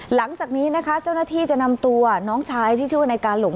หลังจากนี้นะคะเจ้าหน้าที่จะนำตัวน้องชายที่ชื่อว่านายกาหลง